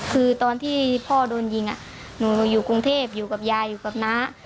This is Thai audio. คือตอนที่พ่อโดนยิงหนูอยู่กรุงเทพอยู่กับยายอยู่กับน้า